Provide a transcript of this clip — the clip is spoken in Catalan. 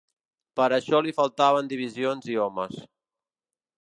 Per a això li faltaven divisions i homes.